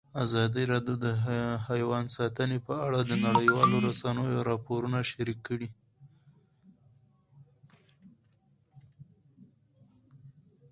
ازادي راډیو د حیوان ساتنه په اړه د نړیوالو رسنیو راپورونه شریک کړي.